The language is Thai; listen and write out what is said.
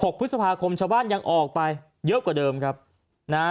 พฤษภาคมชาวบ้านยังออกไปเยอะกว่าเดิมครับนะฮะ